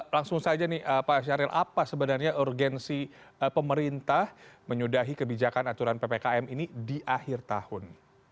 langsung saja nih pak syahril apa sebenarnya urgensi pemerintah menyudahi kebijakan aturan ppkm ini di akhir tahun